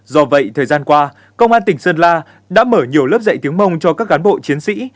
do vậy thời gian qua công an tỉnh sơn la đã mở nhiều lớp dạy tiếng mông cho các cán bộ chiến sĩ